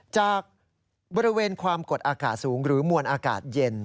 จากบริเวณความกดอากาศสูงหรือมวลอากาศเย็น